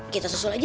kita susul aja yuk